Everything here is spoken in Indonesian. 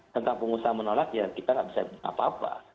tentang pengusaha menolak ya kita nggak bisa apa apa